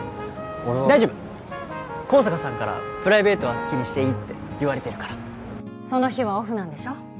俺は大丈夫香坂さんからプライベートは好きにしていいって言われてるからその日はオフなんでしょ